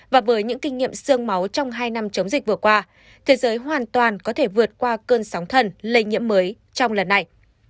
và với những kinh nghiệm sương máu trong hai năm chống dịch vừa qua thế giới hoàn toàn có thể vượt qua cơn sóng thần lây nhiễm mới trong lần này